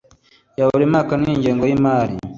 ya buri mwaka n ingengo y imari